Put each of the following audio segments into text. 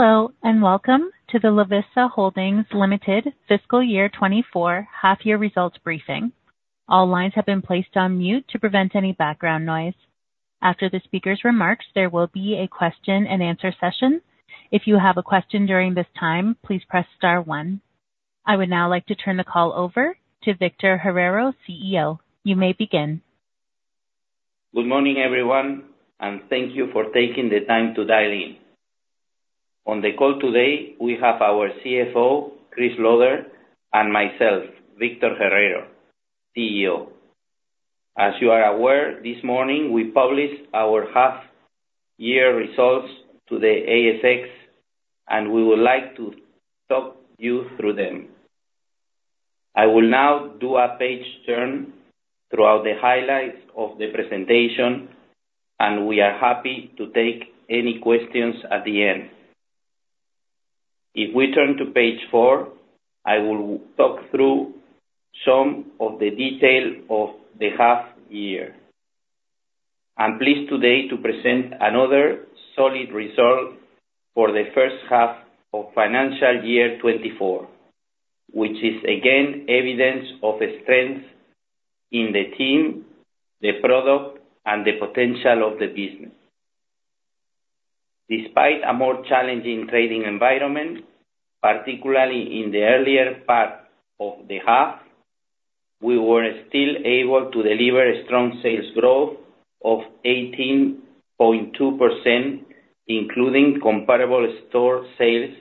Hello, and welcome to the Lovisa Holdings Limited Fiscal Year 2024 Half Year Results Briefing. All lines have been placed on mute to prevent any background noise. After the speaker's remarks, there will be a question and answer session. If you have a question during this time, please press star one. I would now like to turn the call over to Victor Herrero, CEO. You may begin. Good morning, everyone, and thank you for taking the time to dial in. On the call today, we have our CFO, Chris Lauder, and myself, Victor Herrero, CEO. As you are aware, this morning, we published our half year results to the ASX, and we would like to talk you through them. I will now do a page turn throughout the highlights of the presentation, and we are happy to take any questions at the end. If we turn to page four, I will talk through some of the detail of the half year. I'm pleased today to present another solid result for the first half of financial year 2024, which is again, evidence of a strength in the team, the product, and the potential of the business. Despite a more challenging trading environment, particularly in the earlier part of the half, we were still able to deliver a strong sales growth of 18.2%, including comparable store sales,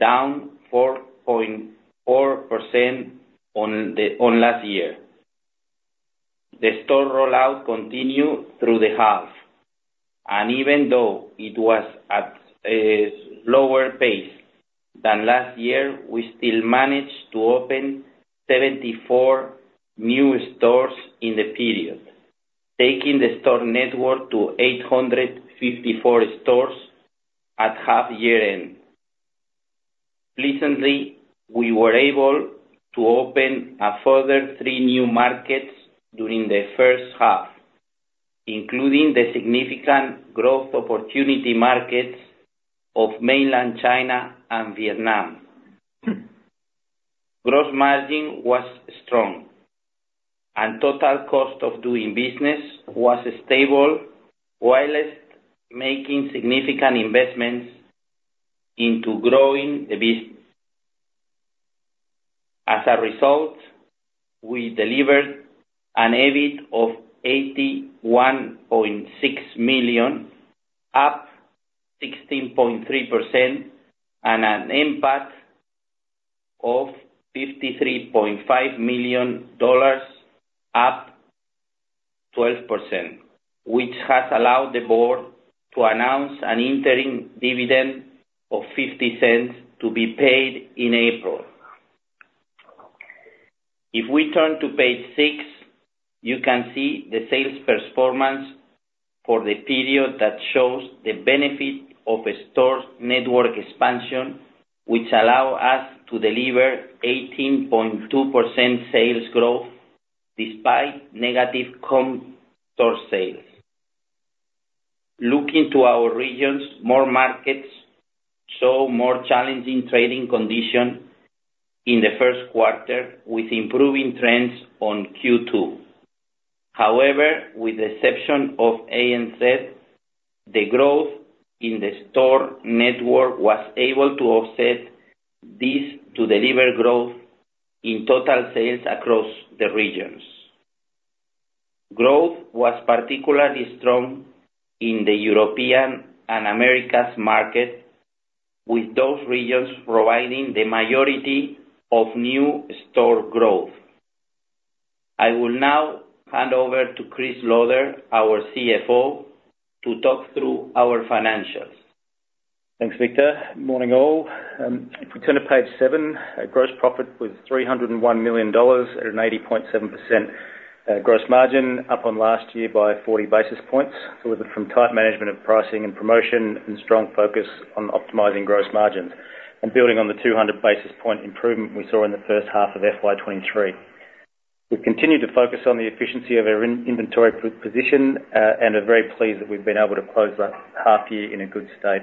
down 4.4% on last year. The store rollout continued through the half, and even though it was at a slower pace than last year, we still managed to open 74 new stores in the period, taking the store network to 854 stores at half-year end. Pleasantly, we were able to open a further three new markets during the first half, including the significant growth opportunity markets of Mainland China and Vietnam. Gross margin was strong, and total cost of doing business was stable, while making significant investments into growing the business. As a result, we delivered an EBIT of 81.6 million, up 16.3%, and an NPAT of 53.5 million dollars, up 12%, which has allowed the board to announce an interim dividend of 0.50 to be paid in April. If we turn to page six, you can see the sales performance for the period that shows the benefit of a stores network expansion, which allow us to deliver 18.2% sales growth despite negative comp store sales. Looking to our regions, more markets show more challenging trading condition in the first quarter, with improving trends on Q2. However, with the exception of ANZ, the growth in the store network was able to offset this to deliver growth in total sales across the regions. Growth was particularly strong in the Europe and Americas markets, with those regions providing the majority of new store growth. I will now hand over to Chris Lauder, our CFO, to talk through our financials. Thanks, Victor. Morning, all. If we turn to page seven, our gross profit was 301 million dollars at an 80.7% gross margin, up on last year by 40 basis points. Source from tight management of pricing and promotion and strong focus on optimizing gross margins and building on the 200 basis point improvement we saw in the first half of FY 2023. We've continued to focus on the efficiency of our inventory position, and are very pleased that we've been able to close that half year in a good state.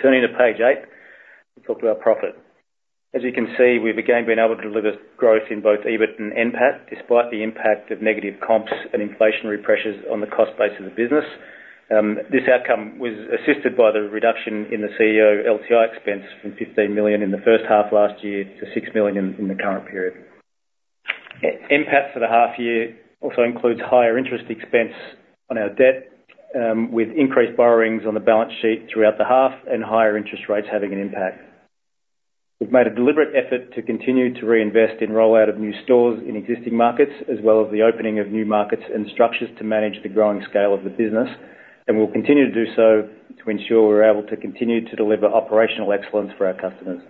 Turning to page eight, let's talk about profit. As you can see, we've again been able to deliver growth in both EBIT and NPAT, despite the impact of negative comps and inflationary pressures on the cost base of the business. This outcome was assisted by the reduction in the CEO LTI expense from 15 million in the first half of last year to 6 million in the current period. NPAT for the half year also includes higher interest expense on our debt, with increased borrowings on the balance sheet throughout the half and higher interest rates having an impact. We've made a deliberate effort to continue to reinvest in rollout of new stores in existing markets, as well as the opening of new markets and structures to manage the growing scale of the business, and we'll continue to do so to ensure we're able to continue to deliver operational excellence for our customers.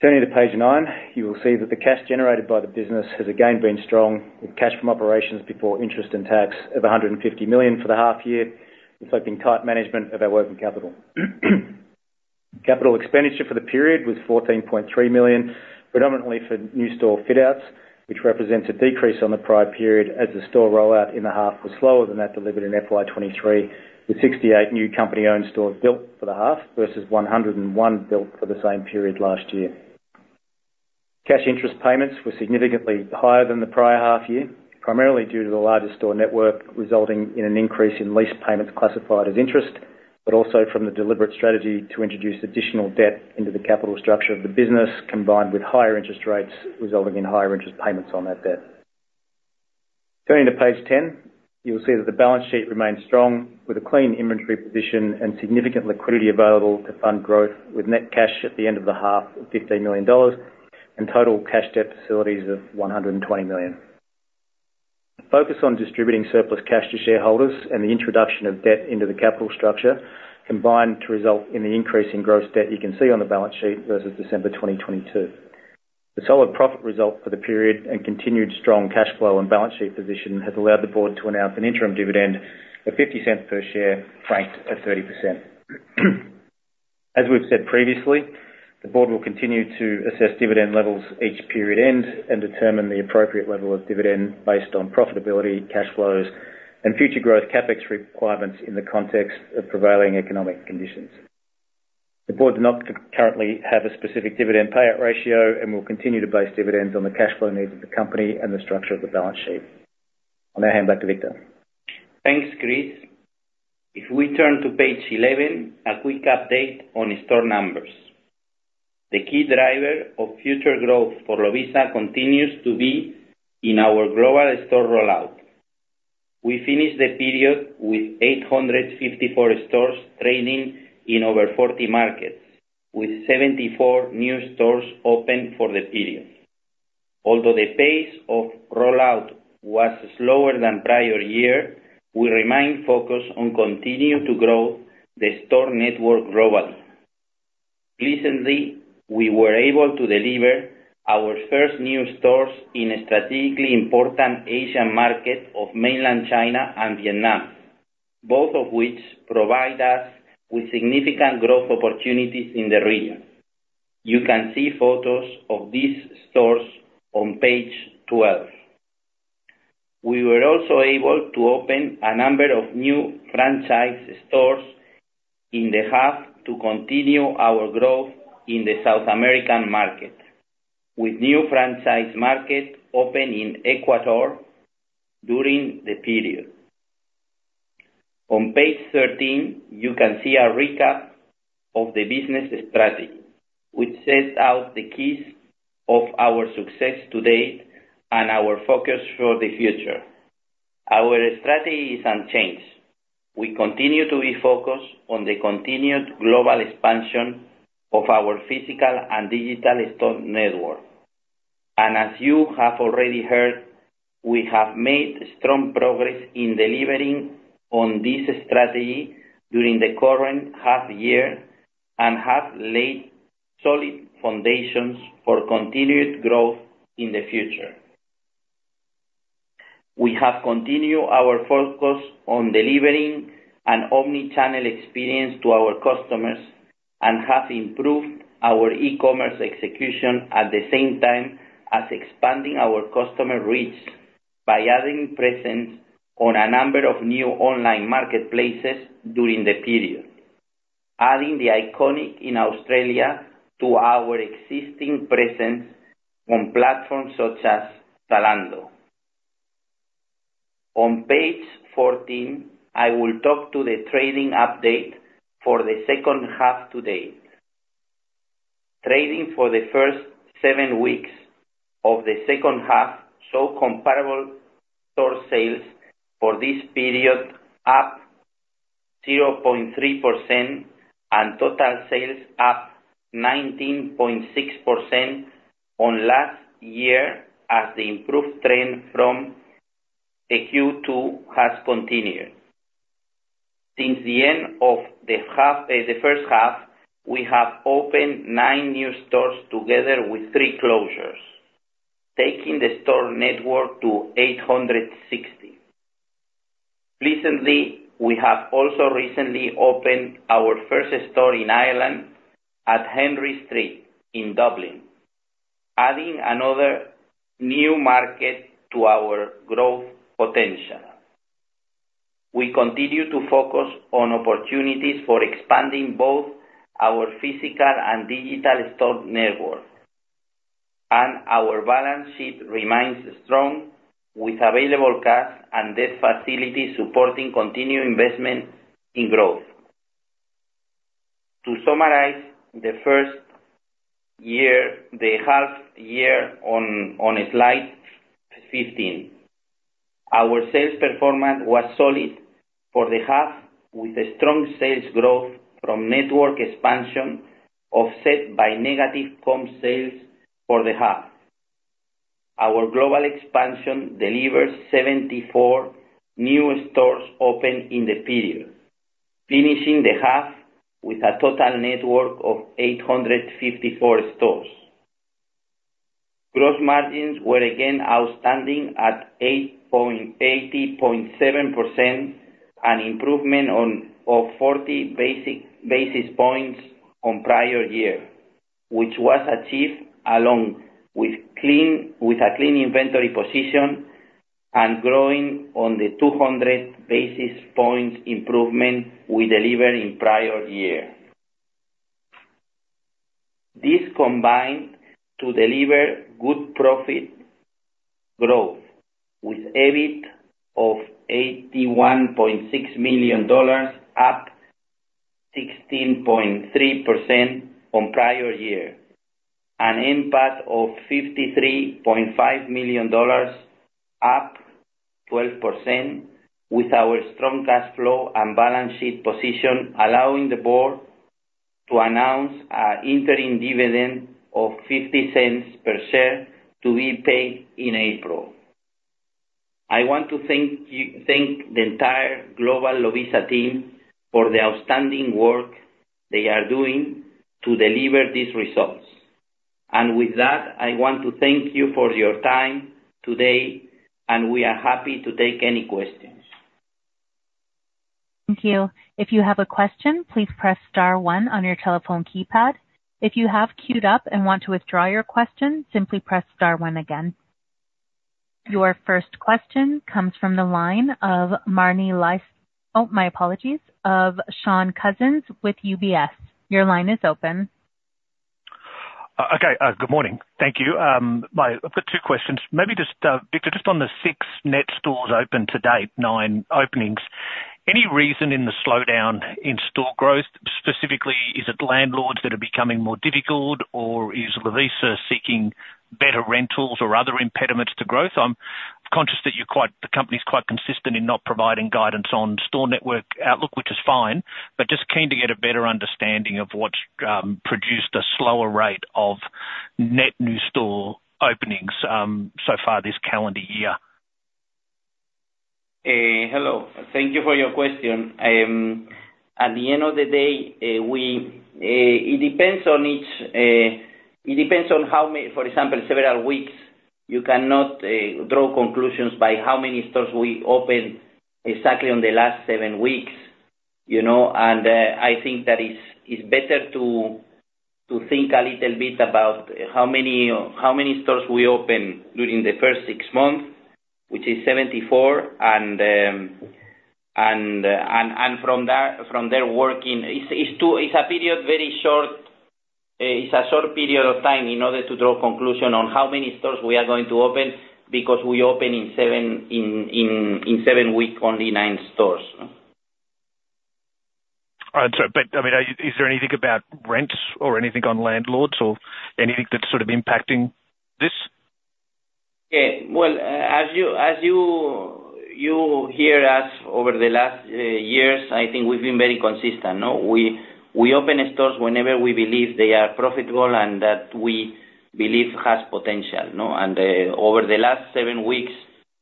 Turning to page nine, you will see that the cash generated by the business has again been strong, with cash from operations before interest and tax of 150 million for the half year, reflecting tight management of our working capital. Capital expenditure for the period was AUD 14.3 million, predominantly for new store fit outs, which represents a decrease on the prior period as the store rollout in the half was slower than that delivered in FY 2023, with 68 new company-owned stores built for the half, versus 101 built for the same period last year. Cash interest payments were significantly higher than the prior half year, primarily due to the larger store network, resulting in an increase in lease payments classified as interest, but also from the deliberate strategy to introduce additional debt into the capital structure of the business, combined with higher interest rates, resulting in higher interest payments on that debt. Turning to page 10, you will see that the balance sheet remains strong, with a clean inventory position and significant liquidity available to fund growth, with net cash at the end of the half of 15 million dollars and total cash debt facilities of 120 million. Focus on distributing surplus cash to shareholders and the introduction of debt into the capital structure combined to result in the increase in gross debt you can see on the balance sheet versus December 2022. The solid profit result for the period and continued strong cash flow and balance sheet position has allowed the board to announce an interim dividend of 0.50 per share, franked at 30%. As we've said previously, the board will continue to assess dividend levels each period end, and determine the appropriate level of dividend based on profitability, cash flows, and future growth CapEx requirements in the context of prevailing economic conditions. The board do not currently have a specific dividend payout ratio, and will continue to base dividends on the cash flow needs of the company and the structure of the balance sheet. I'll now hand back to Victor. Thanks, Chris. If we turn to page 11, a quick update on store numbers. The key driver of future growth for Lovisa continues to be in our global store rollout. We finished the period with 854 stores trading in over 40 markets, with 74 new stores open for the period. Although the pace of rollout was slower than prior year, we remain focused on continuing to grow the store network globally. Pleasantly, we were able to deliver our first new stores in a strategically important Asian market of mainland China and Vietnam, both of which provide us with significant growth opportunities in the region. You can see photos of these stores on page 12. We were also able to open a number of new franchise stores in the half to continue our growth in the South American market, with new franchise market open in Ecuador during the period. On page 13, you can see a recap of the business strategy, which sets out the keys of our success to date and our focus for the future. Our strategy is unchanged. We continue to be focused on the continued global expansion of our physical and digital store network. As you have already heard, we have made strong progress in delivering on this strategy during the current half year, and have laid solid foundations for continued growth in the future. We have continued our focus on delivering an omni-channel experience to our customers, and have improved our e-commerce execution, at the same time as expanding our customer reach by adding presence on a number of new online marketplaces during the period, adding The Iconic in Australia to our existing presence on platforms such as Zalando. On page 14, I will talk to the trading update for the second half to date. Trading for the first 7 weeks of the second half saw comparable store sales for this period up 0.3%, and total sales up 19.6% on last year, as the improved trend from the Q2 has continued. Since the end of the half, the first half, we have opened 9 new stores, together with three closures, taking the store network to 860. Pleasantly, we have also recently opened our first store in Ireland at Henry Street in Dublin, adding another new market to our growth potential. We continue to focus on opportunities for expanding both our physical and digital store network, and our balance sheet remains strong, with available cash and debt facilities supporting continued investment in growth. To summarize, the first year, the half year on, on slide 15, our sales performance was solid for the half, with strong sales growth from network expansion, offset by negative comp sales for the half. Our global expansion delivers 74 new stores open in the period, finishing the half with a total network of 854 stores. Gross margins were again outstanding at 80.7%, an improvement on, of 40 basis points on prior year, which was achieved along with clean, with a clean inventory position and growing on the 200 basis points improvement we delivered in prior year. This combined to deliver good profit growth, with EBIT of 81.6 million dollars, up 16.3% from prior year. An NPAT of 53.5 million dollars, up 12%, with our strong cash flow and balance sheet position, allowing the board to announce our interim dividend of 0.50 per share to be paid in April. I want to thank you, thank the entire global Lovisa team for the outstanding work they are doing to deliver these results. With that, I want to thank you for your time today, and we are happy to take any questions. Thank you. If you have a question, please press star one on your telephone keypad. If you have queued up and want to withdraw your question, simply press star one again. Your first question comes from the line of Marni Lysaght. Oh, my apologies. Of Shaun Cousins with UBS. Your line is open. Okay, good morning. Thank you, my, I've got two questions. Maybe just, Victor, just on the six net stores open to date, nine openings, any reason in the slowdown in store growth, specifically, is it landlords that are becoming more difficult, or is Lovisa seeking better rentals or other impediments to growth? I'm conscious that you're quite, the company's quite consistent in not providing guidance on store network outlook, which is fine, but just keen to get a better understanding of what's produced a slower rate of net new store openings, so far this calendar year. Hello. Thank you for your question. At the end of the day, we, it depends on each, it depends on how many... For example, several weeks, you cannot draw conclusions by how many stores we opened exactly on the last seven weeks, you know? I think that it's better to think a little bit about how many stores we opened during the first six months, which is 74, and from there, from there working, it's two-- it's a period very short, it's a short period of time in order to draw conclusion on how many stores we are going to open, because we open in seven, in, in, in seven weeks, only nine stores. All right, but I mean, is there anything about rents or anything on landlords or anything that's sort of impacting this? Yeah. Well, as you, as you hear us over the last years, I think we've been very consistent, no? We open stores whenever we believe they are profitable and that we believe has potential, no? And over the last seven weeks,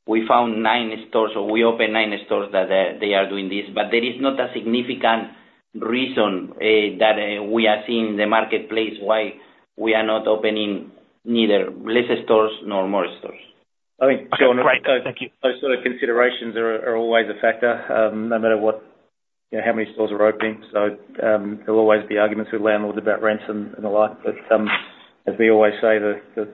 we found nine stores, so we opened nine stores that they are doing this. But there is not a significant reason that we are seeing in the marketplace why we are not opening neither less stores nor more stores. I think. Thank you. Those sort of considerations are always a factor, no matter what, you know, how many stores are opening. So, there'll always be arguments with landlords about rents and the like. But, as we always say, the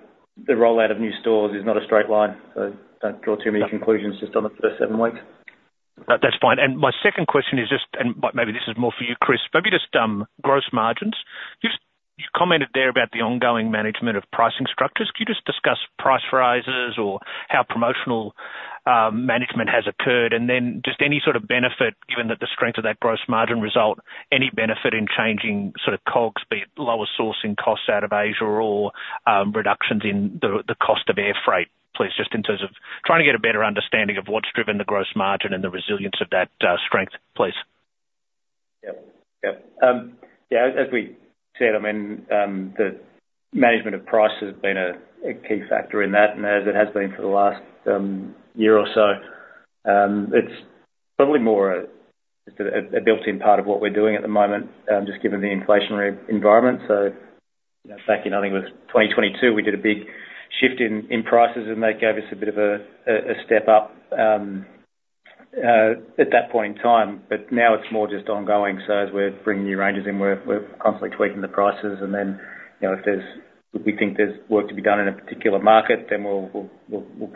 rollout of new stores is not a straight line, so don't draw too many conclusions just on the first seven weeks. That's fine. And my second question is just—and maybe this is more for you, Chris—maybe just gross margins. You've, you've commented there about the ongoing management of pricing structures. Could you just discuss price rises or how promotional management has occurred? And then just any sort of benefit, given that the strength of that gross margin result, any benefit in changing sort of COGS, be it lower sourcing costs out of Asia or reductions in the, the cost of air freight, please, just in terms of trying to get a better understanding of what's driven the gross margin and the resilience of that strength, please. Yep. Yep. Yeah, as we said, I mean, the management of price has been a key factor in that, and as it has been for the last year or so, it's probably more a built-in part of what we're doing at the moment, just given the inflationary environment. So, you know, back in, I think it was 2022, we did a big shift in prices, and that gave us a bit of a step up at that point in time, but now it's more just ongoing. So as we're bringing new ranges in, we're constantly tweaking the prices, and then, you know, if we think there's work to be done in a particular market, then we'll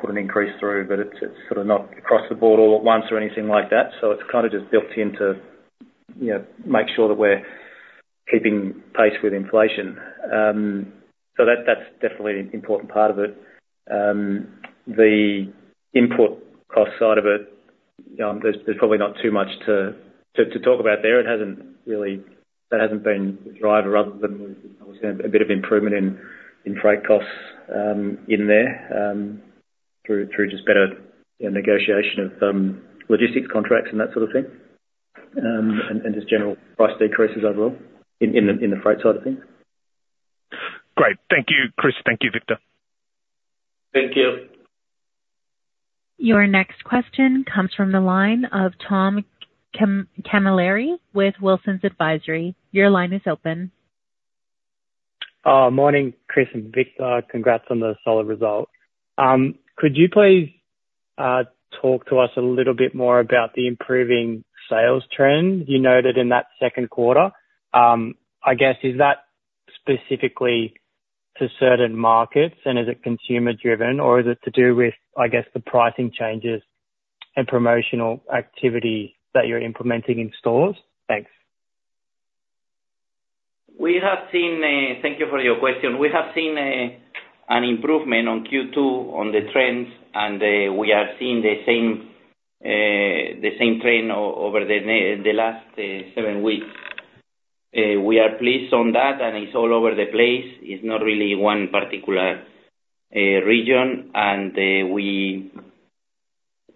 put an increase through, but it's sort of not across the board all at once or anything like that. So it's kind of just built into, you know, make sure that we're keeping pace with inflation. So that's definitely an important part of it. The input cost side of it, there's probably not too much to talk about there. It hasn't really, that hasn't been the driver other than obviously a bit of improvement in freight costs in there through just better negotiation of logistics contracts and that sort of thing, and just general price decreases overall in the freight side of things. Great. Thank you, Chris. Thank you, Victor. Thank you. Your next question comes from the line of Tom Camilleri with Wilsons Advisory. Your line is open. Morning, Chris and Victor. Congrats on the solid result. Could you please talk to us a little bit more about the improving sales trend you noted in that second quarter? I guess, is that specifically to certain markets, and is it consumer driven, or is it to do with, I guess, the pricing changes and promotional activity that you're implementing in stores? Thanks. Thank you for your question. We have seen an improvement on Q2 on the trends, and we are seeing the same trend over the last seven weeks. We are pleased on that, and it's all over the place. It's not really one particular region, and we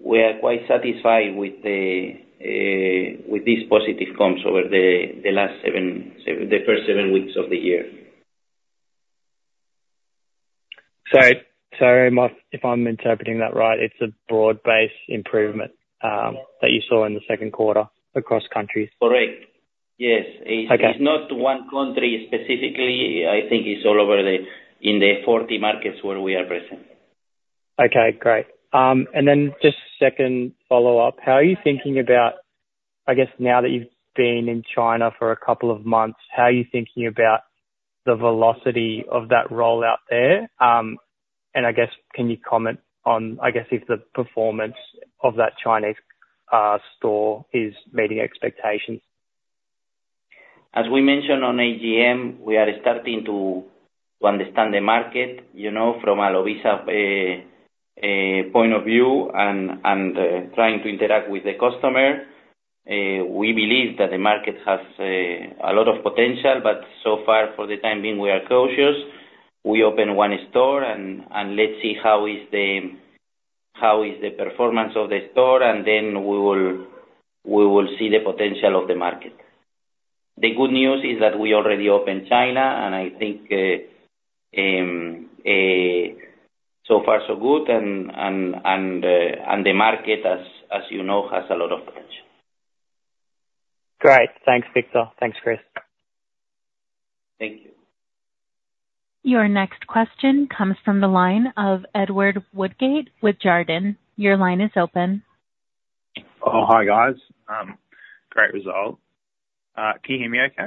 are quite satisfied with these positive comps over the last seven, the first seven weeks of the year. So, am I, if I'm interpreting that right, it's a broad-based improvement that you saw in the second quarter across countries? Correct. Yes. Okay. It's not one country specifically. I think it's all over, in the 40 markets where we are present. Okay, great. And then just second follow-up: How are you thinking about, I guess now that you've been in China for a couple of months, how are you thinking about the velocity of that rollout there? And I guess, can you comment on, I guess, if the performance of that Chinese store is meeting expectations? As we mentioned on AGM, we are starting to understand the market, you know, from a Lovisa point of view and trying to interact with the customer. We believe that the market has a lot of potential, but so far, for the time being, we are cautious. We opened one store, and let's see how is the performance of the store, and then we will see the potential of the market. The good news is that we already opened China, and I think so far, so good, and the market, as you know, has a lot of potential. Great. Thanks, Victor. Thanks, Chris. Thank you. Your next question comes from the line of Edward Woodgate with Jarden. Your line is open. Oh, hi, guys. Great result. Can you hear me okay?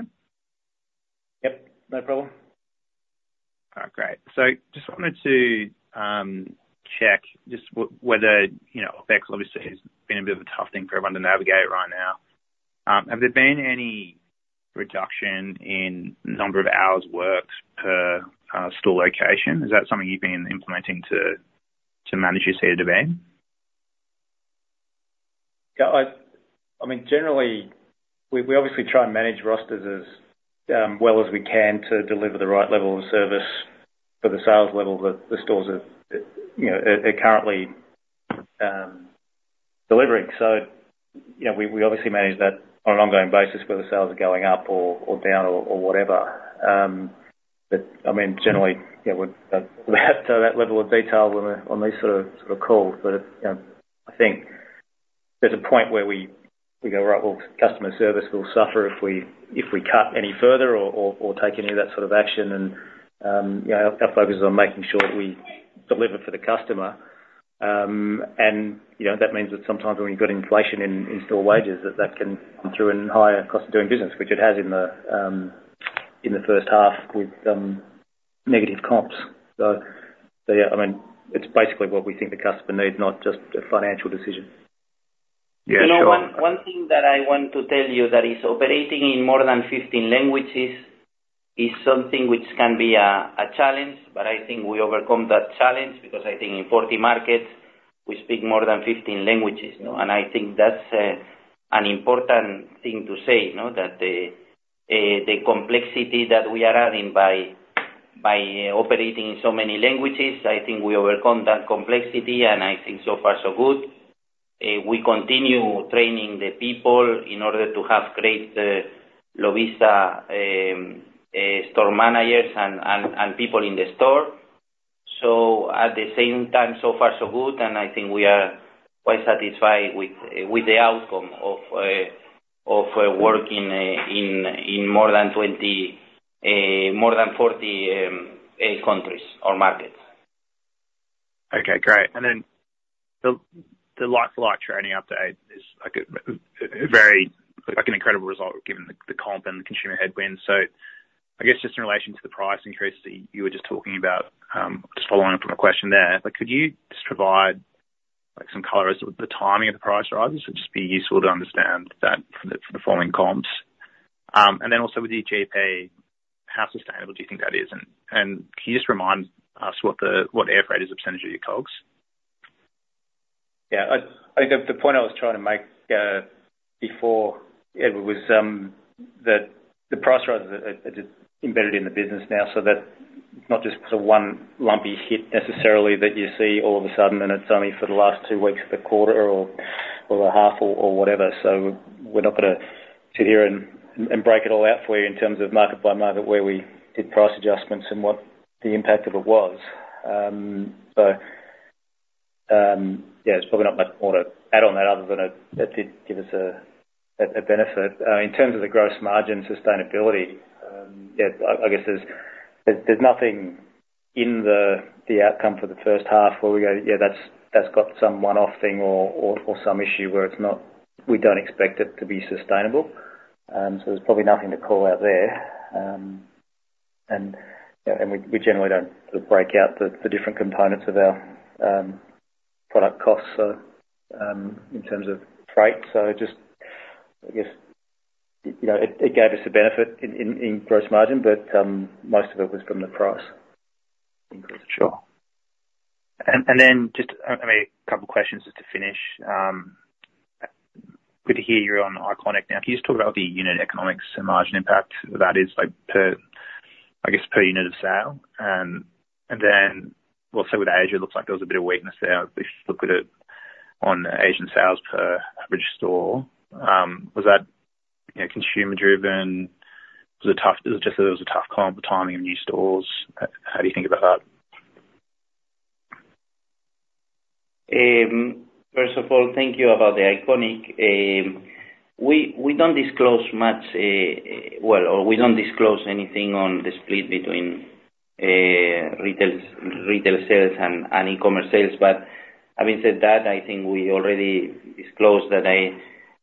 Yep, no problem. Oh, great. So just wanted to check just whether, you know, OpEx obviously has been a bit of a tough thing for everyone to navigate right now. Have there been any reduction in number of hours worked per store location? Is that something you've been implementing to manage your state of demand? Yeah, I mean, generally, we obviously try and manage rosters as well as we can to deliver the right level of service for the sales level that the stores are, you know, currently delivering. So, you know, we obviously manage that on an ongoing basis, whether sales are going up or down or whatever. But I mean, generally, yeah, we have to that level of detail on these sort of calls. But, you know, I think there's a point where we go, "Right, well, customer service will suffer if we cut any further or take any of that sort of action," and, you know, our focus is on making sure that we deliver for the customer. You know, that means that sometimes when you've got inflation in store wages, that can come through in higher cost of doing business, which it has in the first half with negative comps. So yeah, I mean, it's basically what we think the customer needs, not just a financial decision. Yeah, sure. You know, one thing that I want to tell you that is operating in more than 15 languages is something which can be a challenge, but I think we overcome that challenge because I think in 40 markets, we speak more than 15 languages, you know? And I think that's an important thing to say, you know, that the complexity that we are having by operating in so many languages, I think we overcome that complexity, and I think so far, so good. We continue training the people in order to have great Lovisa store managers and people in the store. So at the same time, so far, so good, and I think we are quite satisfied with the outcome of working in more than 20, more than 40 countries or markets. Okay, great. And then the like-for-like trading update is like a very like an incredible result given the comp and the consumer headwind. So I guess just in relation to the pricing, Chris, that you were just talking about, just following up on a question there, but could you just provide like some color as to the timing of the price rises? It would just be useful to understand that for the following comps. And then also with the GPA, how sustainable do you think that is? And can you just remind us what the air freight is of percentage of your COGS? Yeah, I think the point I was trying to make before, Edward, was that the price rises are just embedded in the business now, so that's not just sort of one lumpy hit necessarily that you see all of a sudden, and it's only for the last two weeks of the quarter or a half or whatever. So we're not gonna sit here and break it all out for you in terms of market by market, where we did price adjustments and what the impact of it was. So yeah, there's probably not much more to add on that other than it that did give us a benefit. In terms of the gross margin sustainability, yeah, I guess there's nothing in the outcome for the first half where we go, "Yeah, that's got some one-off thing or some issue where it's not - we don't expect it to be sustainable." So there's probably nothing to call out there. And we generally don't sort of break out the different components of our product costs, so in terms of freight. So just, I guess, you know, it gave us a benefit in gross margin, but most of it was from the price, in gross. Sure. And, and then just, I mean, a couple questions just to finish. Good to hear you're on Iconic now. Can you just talk about the unit economics and margin impact that is, like, per, I guess, per unit of sale? And, and then also with Asia, it looks like there was a bit of weakness there, if you look at it on Asian sales per average store. Was that, you know, consumer-driven? Was it tough, just that it was a tough comp, timing of new stores? How do you think about that? First of all, thank you about THE ICONIC. We don't disclose much, well, or we don't disclose anything on the split between retail sales and e-commerce sales. But having said that, I think we already disclosed that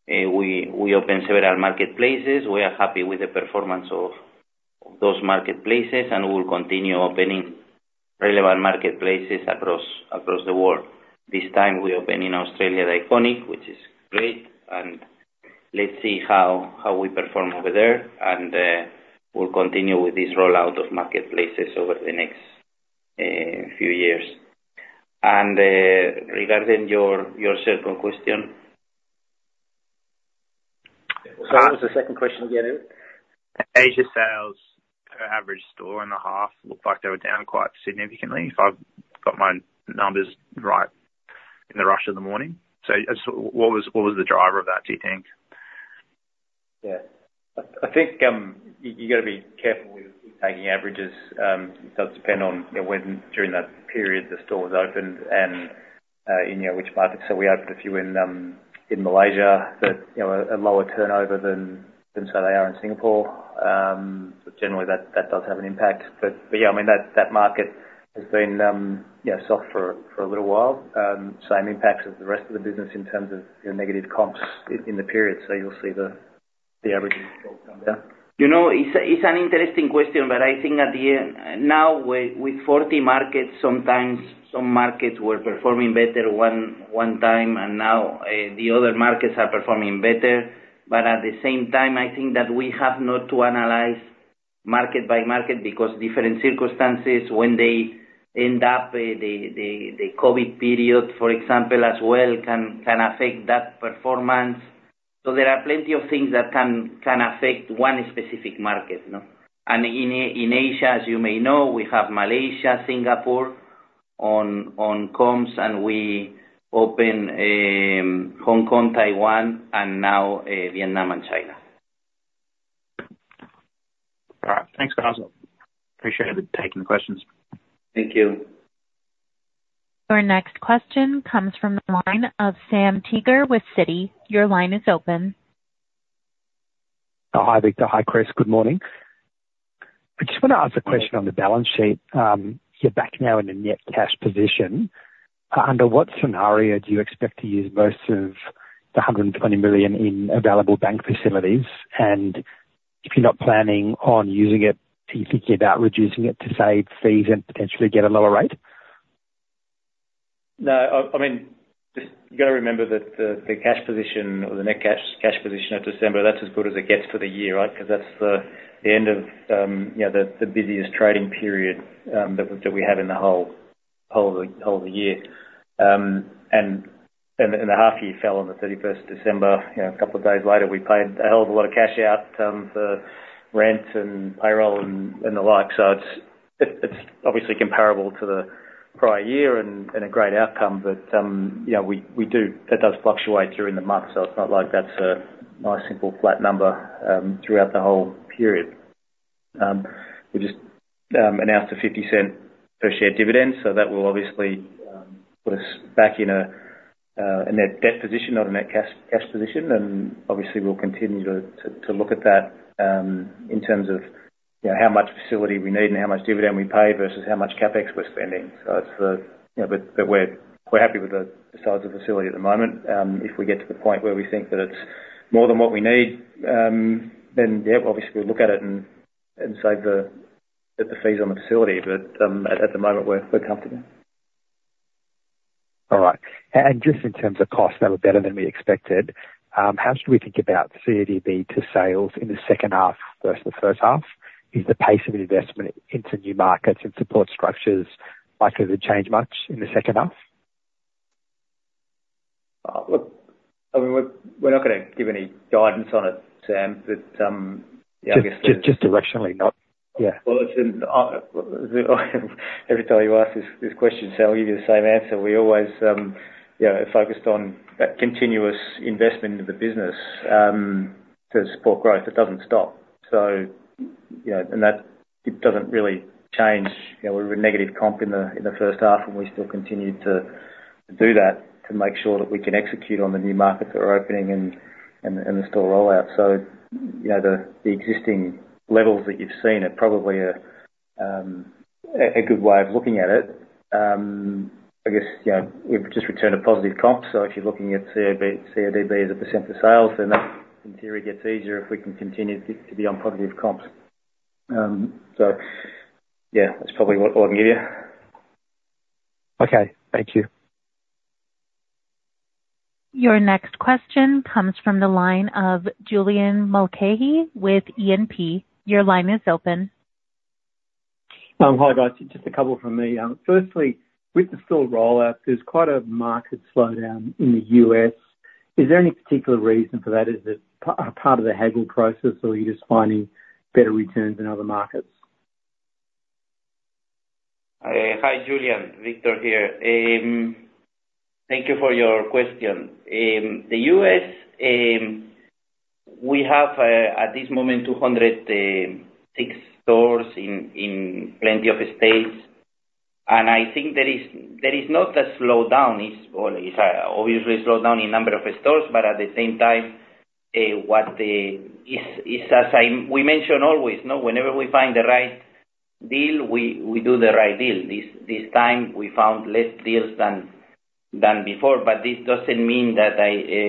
we opened several marketplaces. We are happy with the performance of those marketplaces, and we will continue opening relevant marketplaces across the world. This time we open in Australia, THE ICONIC, which is great, and let's see how we perform over there, and we'll continue with this rollout of marketplaces over the next few years. And regarding your second question? Sorry, what was the second question again, Ed? Asia sales per average store in the half looked like they were down quite significantly, if I've got my numbers right in the rush of the morning. So, what was the driver of that, do you think? Yeah. I think you gotta be careful with taking averages. It does depend on, you know, when during that period the store was opened and, in, you know, which markets. So we opened a few in Malaysia, but, you know, a lower turnover than those they are in Singapore. But generally, that does have an impact. But yeah, I mean, that market has been, you know, soft for a little while. Same impacts as the rest of the business in terms of, you know, negative comps in the period, so you'll see the averages come down. You know, it's an interesting question, but I think at the end, now with 40 markets, sometimes some markets were performing better one time, and now the other markets are performing better. But at the same time, I think that we have not to analyze market by market, because different circumstances, when they end up the COVID period, for example, as well, can affect that performance. So there are plenty of things that can affect one specific market, no? And in Asia, as you may know, we have Malaysia, Singapore online, and we opened Hong Kong, Taiwan, and now Vietnam and China. All right. Thanks, guys, Ill. Appreciate you taking the questions. Thank you. Our next question comes from the line of Sam Teeger with Citi. Your line is open. Oh, hi, Victor. Hi, Chris. Good morning. I just wanna ask a question on the balance sheet. You're back now in a net cash position. Under what scenario do you expect to use most of the 120 million in available bank facilities? And if you're not planning on using it, are you thinking about reducing it to save fees and potentially get a lower rate? No, I mean, just you gotta remember that the cash position or the net cash position at December, that's as good as it gets for the year, right? 'Cause that's the end of, you know, the busiest trading period that we have in the whole of the year. The half year fell on the thirty-first December. You know, a couple of days later, we paid a hell of a lot of cash out for rent and payroll and the like. So it's obviously comparable to the prior year and a great outcome. But, you know, that does fluctuate during the month, so it's not like that's a nice, simple flat number throughout the whole period. We just announced a 0.50 per share dividend, so that will obviously put us back in a net debt position, not a net cash position. Obviously, we'll continue to look at that in terms of, you know, how much facility we need and how much dividend we pay versus how much CapEx we're spending. So it's. You know, but we're happy with the size of the facility at the moment. If we get to the point where we think that it's more than what we need, then yeah, obviously we'll look at it and save the fees on the facility. But at the moment, we're comfortable. All right. And just in terms of costs, they were better than we expected. How should we think about CODB to sales in the second half versus the first half? Is the pace of investment into new markets and support structures likely to change much in the second half? Look, I mean, we're not gonna give any guidance on it, Sam, but yeah, I guess- Just directionally, not... Yeah. Well, it's in every time you ask this, this question, so I'll give you the same answer. We always are focused on that continuous investment into the business to support growth. It doesn't stop. So, you know, and that it doesn't really change. You know, we were negative comp in the first half, and we still continued to do that to make sure that we can execute on the new markets that are opening and the store rollout. So, you know, the existing levels that you've seen are probably a good way of looking at it. I guess, you know, we've just returned a positive comp, so if you're looking at CODB as a percent of sales, then that in theory gets easier if we can continue to be on positive comps. So, yeah, that's probably what I'd give you. Okay, thank you. Your next question comes from the line of Julian Mulcahy with E&P. Your line is open. Hi, guys. Just a couple from me. Firstly, with the store rollout, there's quite a market slowdown in the U.S. Is there any particular reason for that? Is it part of the haggling process, or are you just finding better returns in other markets? Hi, Julian. Victor here. Thank you for your question. The US, we have at this moment 206 stores in plenty of states, and I think there is not a slowdown. It's well, it's obviously a slowdown in number of stores, but at the same time, what is as we mention always, whenever we find the right deal, we do the right deal. This time, we found less deals than before, but this doesn't mean that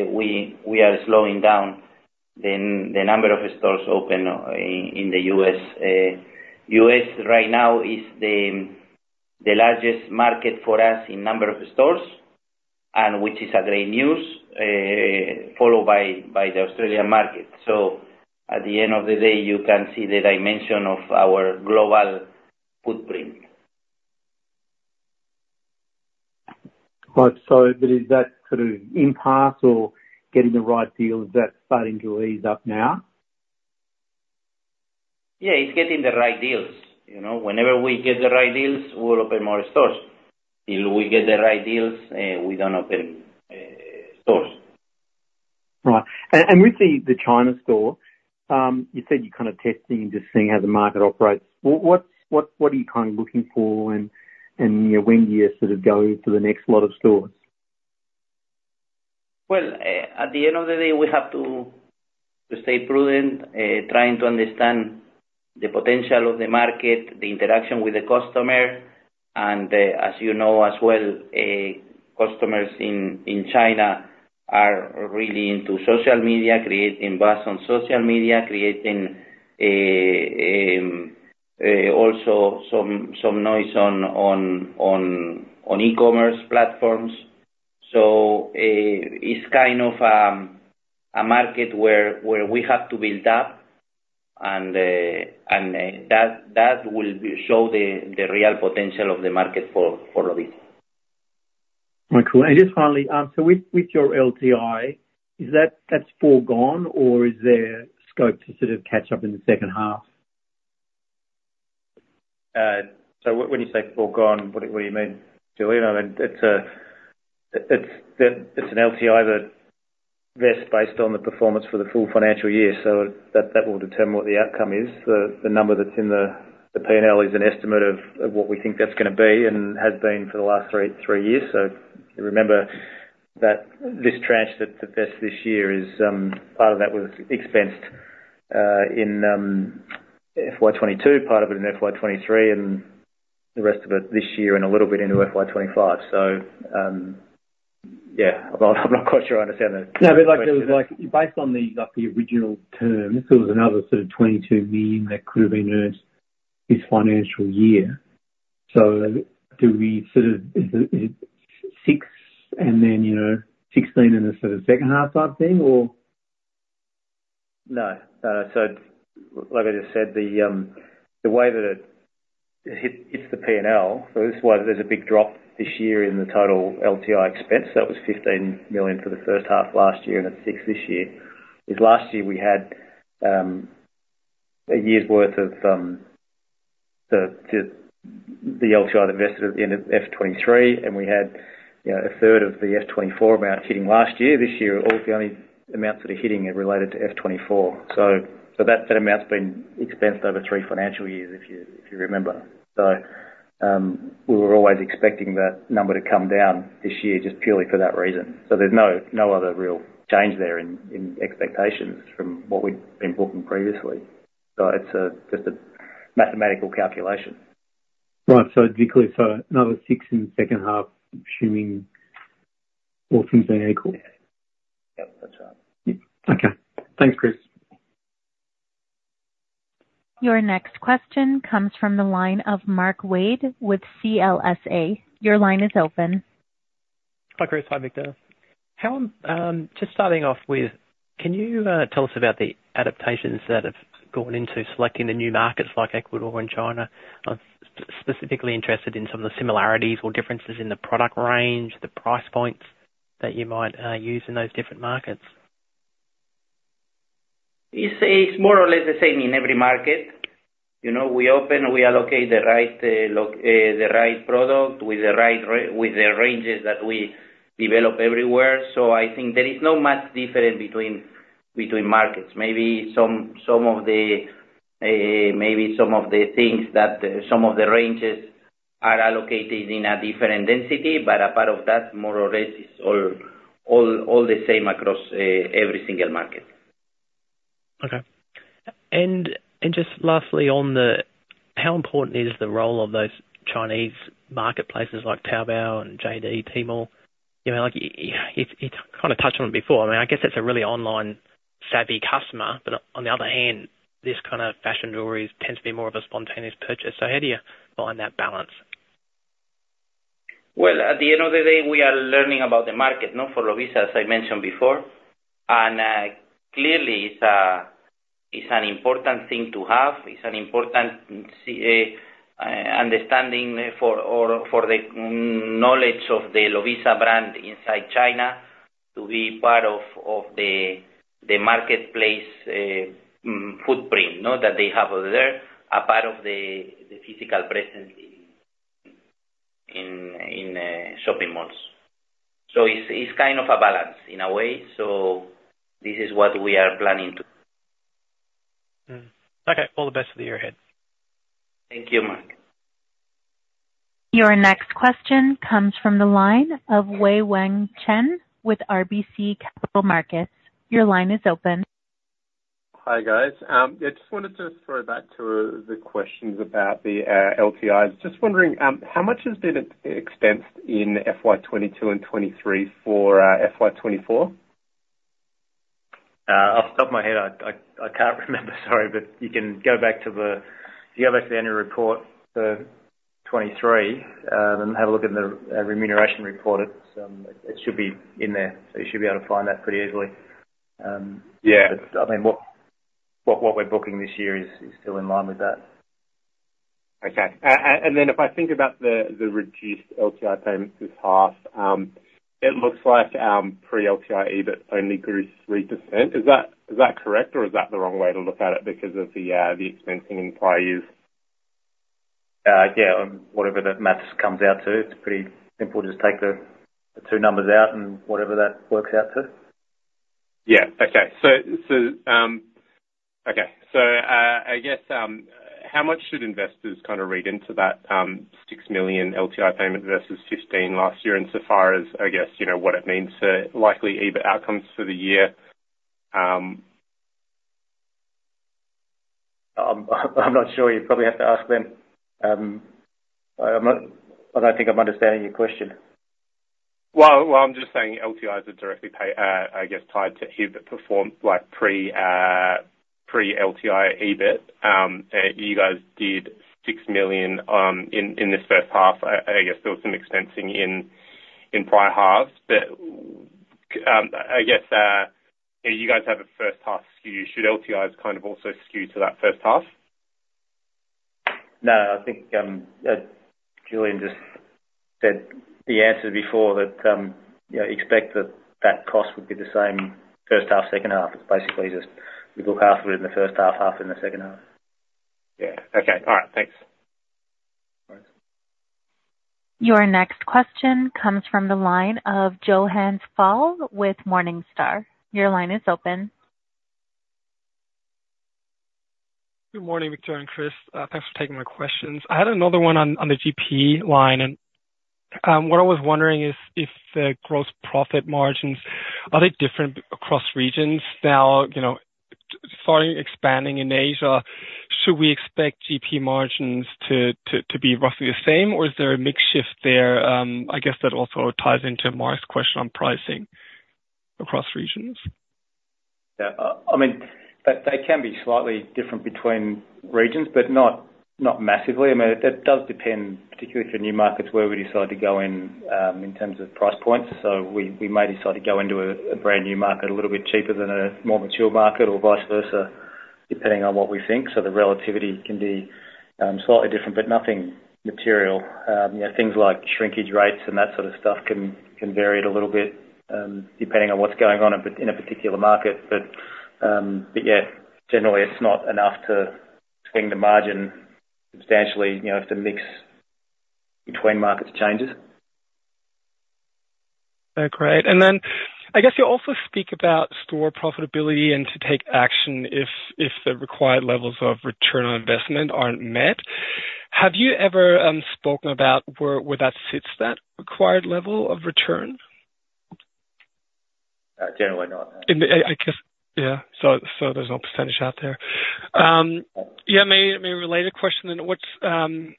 we are slowing down the number of stores open in the US. US right now is the largest market for us in number of stores, and which is a great news, followed by the Australian market. At the end of the day, you can see the dimension of our global footprint. Right. Is that sort of impasse or getting the right deals starting to ease up now? Yeah, it's getting the right deals. You know, whenever we get the right deals, we'll open more stores. Till we get the right deals, we don't open stores. Right. And with the China store, you said you're kind of testing and just seeing how the market operates. What are you kind of looking for, and, you know, when you're sort of going to the next lot of stores? Well, at the end of the day, we have to stay prudent, trying to understand the potential of the market, the interaction with the customer, and, as you know as well, customers in China are really into social media, creating buzz on social media, creating also some noise on e-commerce platforms. So, it's kind of a market where we have to build up and that will show the real potential of the market for Lovisa. Right. Cool. And just finally, so with your LTI, is that, that's foregone, or is there scope to sort of catch up in the second half? So when you say forgone, what do you mean, Julian? I mean, it's an LTI that vests based on the performance for the full financial year, so that will determine what the outcome is. The number that's in the P&L is an estimate of what we think that's gonna be and has been for the last three years. So remember that this tranche that vests this year is part of that was expensed in FY 2022, part of it in FY 2023, and the rest of it this year and a little bit into FY 2025. So yeah, I'm not quite sure I understand that. No, but like, it was like based on the, like the original terms, there was another sort of 22 million that could have been earned this financial year. So do we sort of... Is it, 6 and then, you know, 16 in the sort of second half type thing, or? No. So like I just said, the way that it hits the P&L, so this is why there's a big drop this year in the total LTI expense. That was 15 million for the first half last year, and it's 6 million this year. Last year we had a year's worth of the LTI that vested at the end of FY 2023, and we had, you know, a third of the FY 2024 amount hitting last year. This year, all the only amounts that are hitting are related to FY 2024. So that set amount's been expensed over three financial years, if you remember. So we were always expecting that number to come down this year, just purely for that reason. So there's no other real change there in expectations from what we've been booking previously. So it's just a mathematical calculation. Right. So just so another six in the second half, assuming all things being equal? Yep, that's right. Yep. Okay. Thanks, Chris. Your next question comes from the line of Mark Wade with CLSA. Your line is open. Hi, Chris. Hi, Victor. Just starting off with, can you tell us about the adaptations that have gone into selecting the new markets like Ecuador and China? I'm specifically interested in some of the similarities or differences in the product range, the price points that you might use in those different markets. ... It's more or less the same in every market. You know, we open, we allocate the right, the right product with the right ranges that we develop everywhere. So I think there is not much difference between markets. Maybe some of the things that some of the ranges are allocated in a different density, but apart from that, more or less, it's all the same across every single market. Okay. And just lastly, on the how important is the role of those Chinese marketplaces like Taobao and JD, Tmall? You know, like, you kind of touched on it before. I mean, I guess it's a really online savvy customer, but on the other hand, this kind of fashion jewelry tends to be more of a spontaneous purchase. So how do you find that balance? Well, at the end of the day, we are learning about the market for Lovisa, as I mentioned before, and clearly, it's an important thing to have. It's an important understanding for the knowledge of the Lovisa brand inside China to be part of the marketplace footprint that they have there, a part of the physical presence in shopping malls. So it's kind of a balance in a way. So this is what we are planning to. Mm. Okay, all the best for the year ahead. Thank you, Mark. Your next question comes from the line of Wei-Weng Chen with RBC Capital Markets. Your line is open. Hi, guys. Yeah, just wanted to throw back to the questions about the LTIs. Just wondering, how much has been expensed in FY 2022 and 2023 for FY 2024? Off the top of my head, I can't remember, sorry, but if you go back to the annual report for 2023 and have a look at the remuneration report, it should be in there, so you should be able to find that pretty easily. Yeah. I mean, what we're booking this year is still in line with that. Okay. And then if I think about the reduced LTI payments this half, it looks like pre-LTI EBIT only grew 3%. Is that correct, or is that the wrong way to look at it because of the expensing in prior years? Yeah, whatever the math comes out to, it's pretty simple. Just take the two numbers out and whatever that works out to. Yeah. Okay. So, I guess, how much should investors kind of read into that 6 million LTI payment versus 15 million last year, in so far as, I guess, you know, what it means to likely EBIT outcomes for the year? I'm not sure. You'd probably have to ask them. I don't think I'm understanding your question. Well, I'm just saying LTIs are directly—I guess—tied to EBIT performance, like pre-LTI EBIT. You guys did 6 million in this first half. I guess there was some expensing in prior halves. But I guess you guys have a first half skew. Should LTIs kind of also skew to that first half? No, I think, Julian just said the answer before that, you know, expect that that cost would be the same first half, second half. It's basically just we book half of it in the first half, half in the second half. Yeah. Okay. All right, thanks. Thanks. Your next question comes from the line of Johannes Faul with Morningstar. Your line is open. Good morning, Victor and Chris. Thanks for taking my questions. I had another one on the GP line, and what I was wondering is if the gross profit margins are different across regions now? You know, starting expanding in Asia, should we expect GP margins to be roughly the same, or is there a mix shift there? I guess that also ties into Mark's question on pricing across regions. Yeah, I mean, they can be slightly different between regions, but not massively. I mean, it does depend, particularly for new markets, where we decide to go in, in terms of price points. So we may decide to go into a brand-new market a little bit cheaper than a more mature market or vice versa, depending on what we think. So the relativity can be slightly different, but nothing material. You know, things like shrinkage rates and that sort of stuff can vary it a little bit, depending on what's going on in a particular market. But yeah, generally, it's not enough to swing the margin substantially, you know, if the mix between markets changes. Okay, great. And then I guess you also speak about store profitability and to take action if the required levels of return on investment aren't met. Have you ever spoken about where that sits, that required level of return? Generally not, no. And I guess, yeah, so there's no percentage out there. Yeah, maybe a related question then. What's on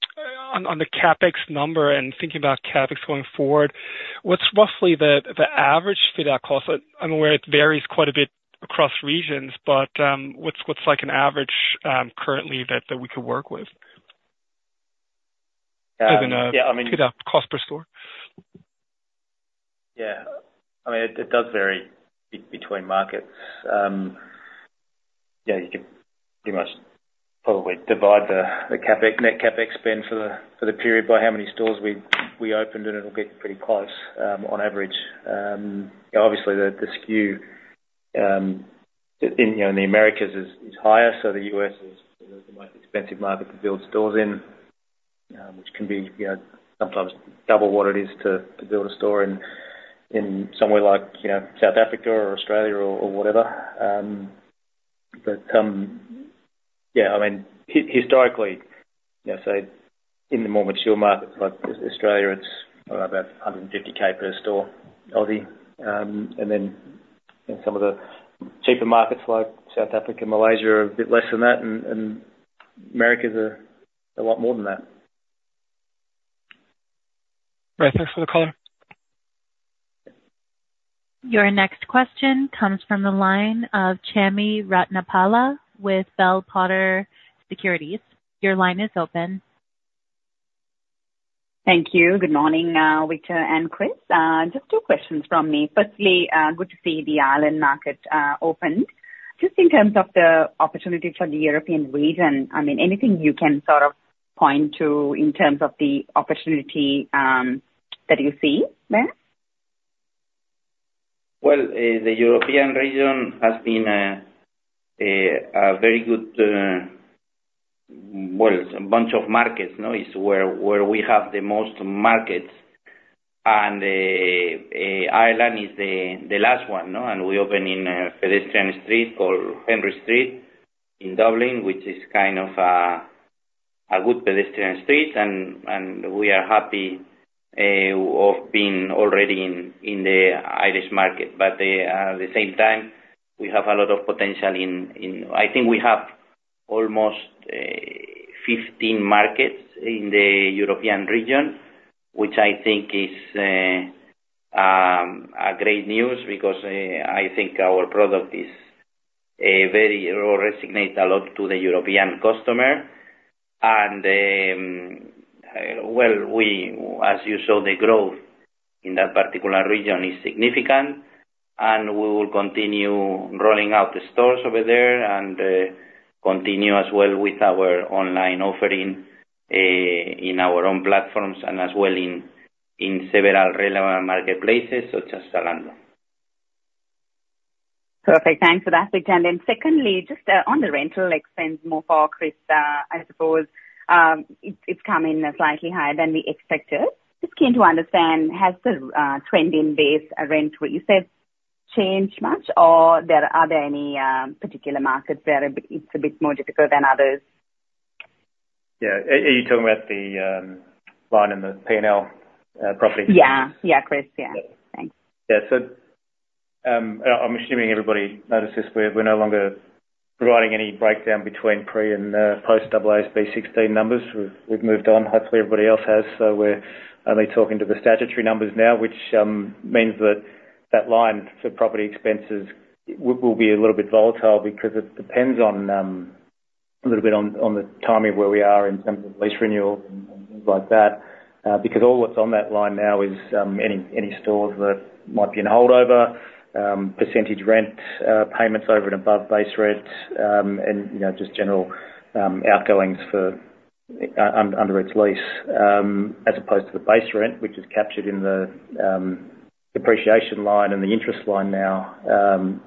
the CapEx number and thinking about CapEx going forward, what's roughly the average fit-out cost? I'm aware it varies quite a bit across regions, but what's like an average currently that we could work with? Yeah, I mean- Fit-out cost per store. Yeah. I mean, it does vary between markets. Yeah, you can pretty much probably divide the CapEx, net CapEx spend for the period by how many stores we opened, and it'll get pretty close, on average. Obviously, the SKU in the Americas is higher, so the US is the most expensive market to build stores in, which can be sometimes double what it is to build a store in somewhere like South Africa or Australia or whatever. But yeah, I mean, historically, you know, so in the more mature markets like Australia, it's about 150,000 per store. And then in some of the cheaper markets like South Africa, Malaysia, are a bit less than that, and Americas are a lot more than that. Right. Thanks for the call. Your next question comes from the line of Chami Ratnapala with Bell Potter Securities. Your line is open. Thank you. Good morning, Victor and Chris. Just two questions from me. Firstly, good to see the Ireland market opened. Just in terms of the opportunity for the European region, I mean, anything you can sort of point to in terms of the opportunity that you see there? Well, the European region has been a very good, well, a bunch of markets, no? It's where we have the most markets, and Ireland is the last one, no? And we open in a pedestrian street called Henry Street in Dublin, which is kind of a good pedestrian street, and we are happy of being already in the Irish market. But at the same time, we have a lot of potential in... I think we have almost 15 markets in the European region, which I think is a great news, because I think our product is a very, or resonate a lot to the European customer. Well, as you saw, the growth in that particular region is significant, and we will continue rolling out the stores over there and continue as well with our online offering in our own platforms and as well in several relevant marketplaces, such as Zalando. Perfect. Thanks for that, Victor. And then secondly, just on the rental expense, more for Chris, I suppose it's come in slightly higher than we expected. Just keen to understand, has the trending base rent where you said change much, or are there any particular markets where it's a bit more difficult than others? Yeah. Are you talking about the line in the P&L, property? Yeah. Yeah, Chris. Yeah. Thanks. Yeah. So, I'm assuming everybody noticed this. We're, we're no longer providing any breakdown between pre and post AASB 16 numbers. We've, we've moved on. Hopefully, everybody else has, so we're only talking to the statutory numbers now, which means that that line for property expenses will be a little bit volatile because it depends on a little bit on the timing of where we are in terms of lease renewal and things like that. Because all what's on that line now is any stores that might be in holdover percentage rent payments over and above base rents, and you know, just general outgoings for under its lease, as opposed to the base rent, which is captured in the depreciation line and the interest line now,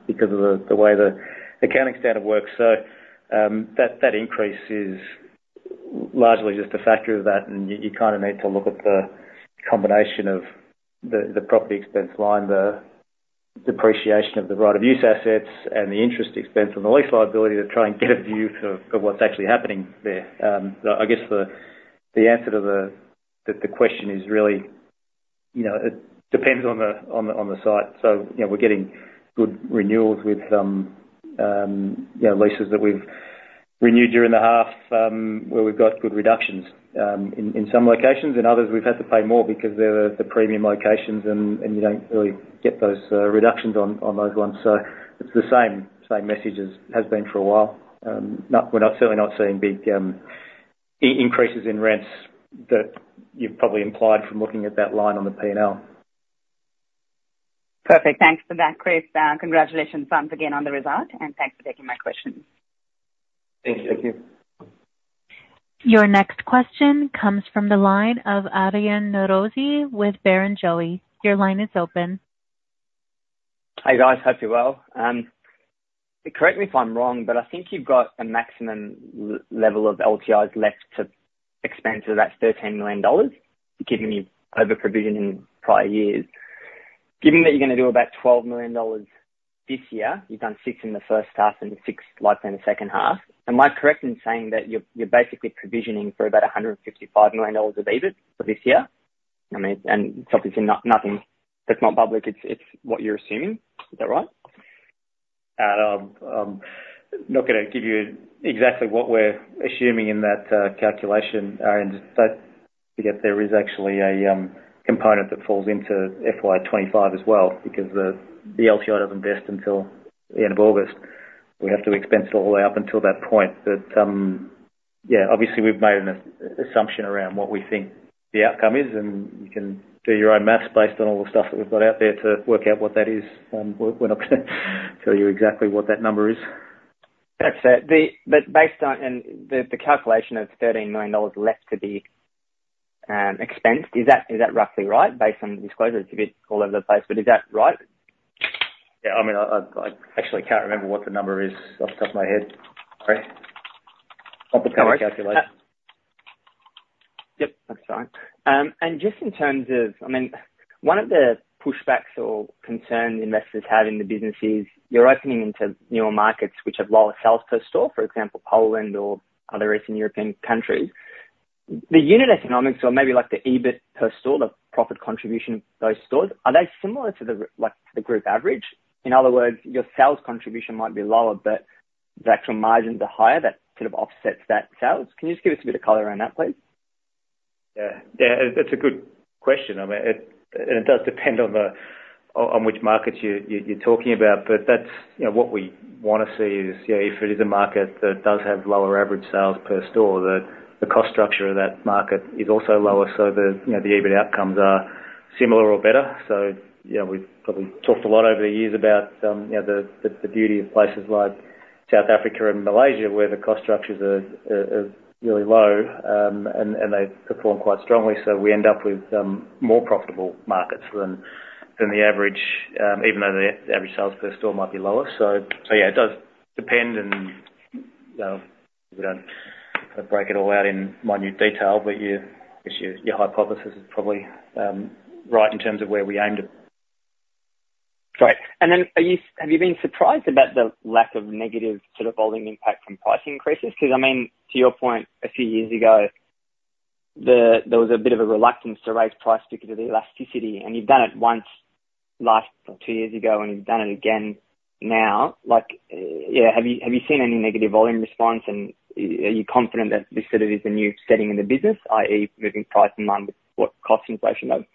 because of the way the accounting standard works. So, that increase is largely just a factor of that, and you kind of need to look at the combination of the property expense line, the depreciation of the Right of Use Assets and the interest expense on the lease liability to try and get a view for what's actually happening there. I guess the answer to the question is really, you know, it depends on the site. So, you know, we're getting good renewals with you know, leases that we've renewed during the half, where we've got good reductions in some locations. In others, we've had to pay more because they're the premium locations, and you don't really get those reductions on those ones. So it's the same message as has been for a while. We're not certainly not seeing big increases in rents that you've probably implied from looking at that line on the P&L. Perfect. Thanks for that, Chris. Congratulations once again on the result, and thanks for taking my questions. Thank you. Thank you. Your next question comes from the line of Aryan Norozi with Barrenjoey. Your line is open. Hi, guys. Hope you're well. Correct me if I'm wrong, but I think you've got a maximum level of LTIs left to expense, so that's 13 million dollars, given you've over-provisioned in prior years. Given that you're gonna do about 12 million dollars this year, you've done 6 million in the first half and 6 million likely in the second half. Am I correct in saying that you're basically provisioning for about 155 million dollars of EBIT for this year? I mean, and it's obviously nothing that's not public, it's what you're assuming. Is that right? I'm not gonna give you exactly what we're assuming in that calculation, Aryan, but, again, there is actually a component that falls into FY 25 as well, because the LTI doesn't vest until the end of August. We have to expense it all the way up until that point. But yeah, obviously, we've made an assumption around what we think the outcome is, and you can do your own math based on all the stuff that we've got out there to work out what that is. We're not gonna tell you exactly what that number is. That's it. But based on, and the, the calculation of 13 million dollars left to be expensed, is that, is that roughly right, based on the disclosure? It's a bit all over the place, but is that right? Yeah, I mean, I actually can't remember what the number is off the top of my head. Sorry. Not the current calculation. Yep, that's fine. And just in terms of—I mean, one of the pushbacks or concerns investors have in the business is, you're opening into newer markets which have lower sales per store, for example, Poland or other Eastern European countries. The unit economics or maybe like the EBIT per store, the profit contribution of those stores, are they similar to the, like, the group average? In other words, your sales contribution might be lower, but the actual margins are higher, that sort of offsets that sales. Can you just give us a bit of color around that, please? Yeah. Yeah, that's a good question. I mean, it does depend on which markets you're talking about, but that's, you know, what we wanna see is, yeah, if it is a market that does have lower average sales per store, that the cost structure of that market is also lower, so, you know, the EBIT outcomes are similar or better. So, you know, we've probably talked a lot over the years about, you know, the beauty of places like South Africa and Malaysia, where the cost structures are really low, and they perform quite strongly. So we end up with more profitable markets than the average, even though the average sales per store might be lower. So yeah, it does depend, and we don't kind of break it all out in minute detail, but your guess, your hypothesis is probably right in terms of where we aimed it. Great. And then, have you been surprised about the lack of negative sort of volume impact from price increases? 'Cause I mean, to your point, a few years ago, there was a bit of a reluctance to raise price because of the elasticity, and you've done it once, last or two years ago, and you've done it again now. Like, yeah, have you seen any negative volume response, and are you confident that this sort of is the new setting in the business, i.e., moving price in line with what cost inflation is?